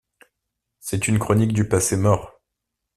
C'est une chronique du passé mort.